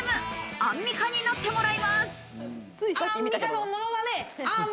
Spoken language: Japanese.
アンミカになってもらいます。